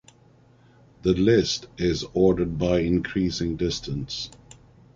The list is ordered by increasing distance.